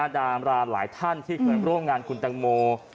ดามราหลายท่านที่เคยร่วมงานคุณตังโม